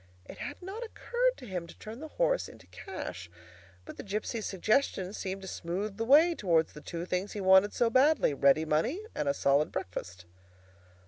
It had not occurred to him to turn the horse into cash, but the gipsy's suggestion seemed to smooth the way towards the two things he wanted so badly—ready money, and a solid breakfast.